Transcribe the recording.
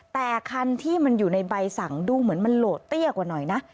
แต่คันที่มันอยู่ในใบสั่งดูเหมือนมันโหลดเตี้ยกว่าหน่อยนะ